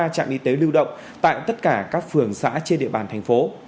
bốn trăm linh ba trạm y tế lưu động tại tất cả các phường xã trên địa bàn thành phố